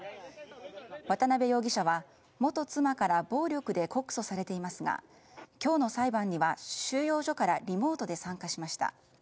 渡辺容疑者は、元妻から暴力で告訴されていますが今日の裁判には収容所からリモートで参加しました。